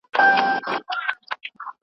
تاسو باید د ښه خلکو د عزت ساتنه وکړئ.